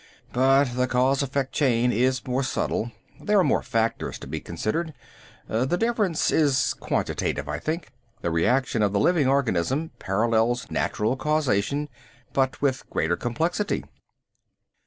But the cause effect chain is more subtle; there are more factors to be considered. The difference is quantitative, I think. The reaction of the living organism parallels natural causation, but with greater complexity."